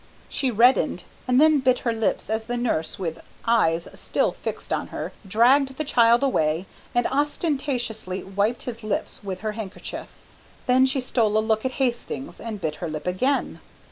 She reddened and then bit her lips as the nurse, with eyes still fixed on her, dragged the child away and ostentatiously wiped his lips with her handkerchief. Then she stole a look at Hastings and bit her lip again.